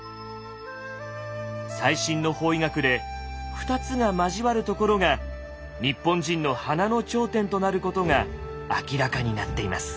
最新の法医学で２つが交わるところが日本人の鼻の頂点となることが明らかになっています。